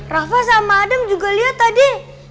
rafa sama adem juga lihat tadi